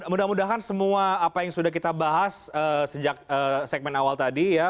mudah mudahan semua apa yang sudah kita bahas sejak segmen awal tadi ya